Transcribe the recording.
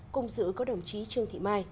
cùng giữ có đồng chí trương thị mai